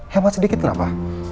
hemat sedikit kenapa